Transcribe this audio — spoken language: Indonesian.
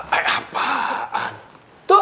mau ngapain tuh anak tuh